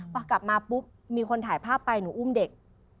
พอกลับมาปุ๊บมีคนถ่ายภาพไปหนูอุ้มเด็ก